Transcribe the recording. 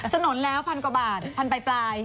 สนุนแล้ว๑๐๐๐กว่าบาทพันไปปลาย